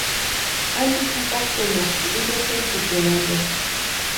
¿Antisï jakakakʼunhakʼi inte cherpikwaeri ampe?